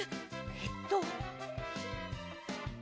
えっと。